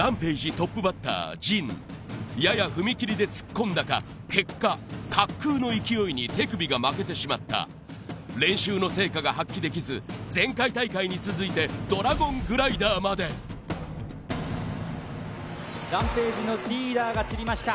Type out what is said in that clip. トップバッター陣やや踏み切りで突っ込んだか結果滑空の勢いに手首が負けてしまった練習の成果が発揮できず前回大会に続いてドラゴングライダーまでＲＡＭＰＡＧＥのリーダーが散りました